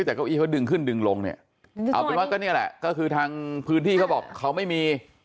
แต่เก้าอี้เขาดึงขึ้นดึงลงเนี่ยเอาเป็นว่าก็นี่แหละก็คือทางพื้นที่เขาบอกเขาไม่มี